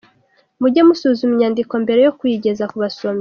Muge musuzuma inyandiko mbere yo kuyigeza ku basomyi.